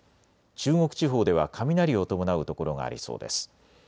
中国地方では雷を伴う所がありそうです。